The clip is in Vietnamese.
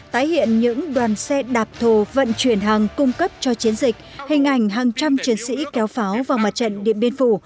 tái hiện những đoàn xe đạp thồ vận chuyển hàng cung cấp cho chiến dịch hình ảnh hàng trăm chiến sĩ kéo pháo vào mặt trận điện biên phủ